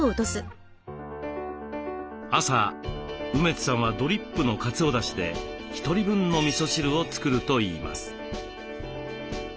朝梅津さんはドリップのかつおだしで１人分のみそ汁を作るといいます。